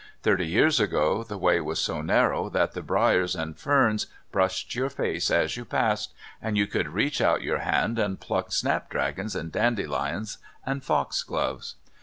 Thirty years ago the way was so narrow that the briars and ferns brushed your face as you passed, and you could reach out your hand and pluck snap dragons and dandelions and fox gloves.